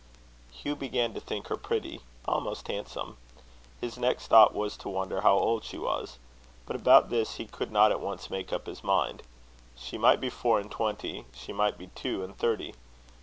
Hugh began to think her pretty, almost handsome. His next thought was to wonder how old she was. But about this he could not at once make up his mind. She might be four and twenty; she might be two and thirty.